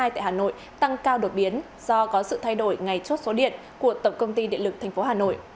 tại hà nội tăng cao đột biến do có sự thay đổi ngày chốt số điện của tổng công ty điện lực tp hà nội